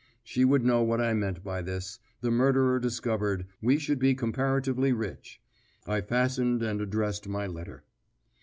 She would know what I meant by this; the murderer discovered, we should be comparatively rich. I fastened and addressed my letter.